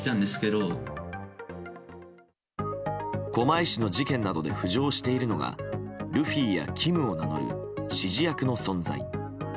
狛江市の事件などで浮上しているのがルフィやキムを名乗る指示役の存在。